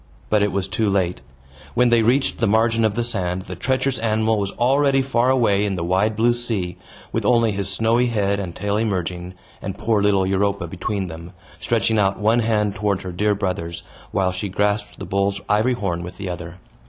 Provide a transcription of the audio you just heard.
But it was too late. When they reached the margin of the sand, the treacherous animal was already far away in the wide blue sea, with only his snowy head and tail emerging, and poor little Europa between them, stretching out one hand towards her dear brothers, while she grasped the bull's ivory horn with the other.